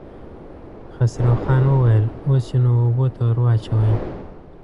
خسرو خان وويل: اوس يې نو اوبو ته ور واچوئ.